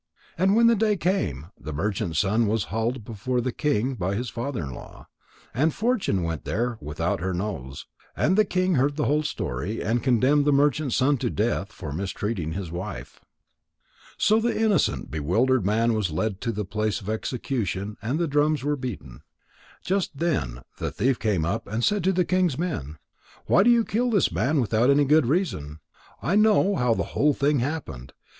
And when day came, the merchant's son was haled before the king by his father in law. And Fortune went there without her nose, and the king heard the whole story and condemned the merchant's son to death for mistreating his wife. So the innocent, bewildered man was led to the place of execution and the drums were beaten. Just then the thief came up and said to the king's men: "Why do you kill this man without any good reason? I know how the whole thing happened.